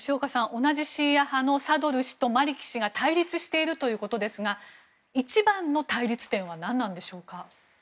同じシーア派のサドル師とマリキ氏が対立しているということですが一番の対立点は何なんでしょうか。